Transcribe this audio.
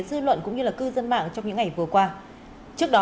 xin chào và hẹn gặp lại